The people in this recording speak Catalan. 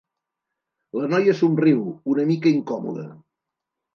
La noia somriu, una mica incòmoda.